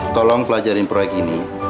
tolong pelajarin proyek ini